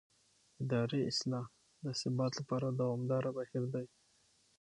اداري اصلاح د ثبات لپاره دوامداره بهیر دی